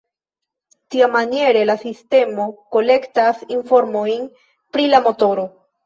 Tiamaniere la sistemo kolektas informojn pri la motoro.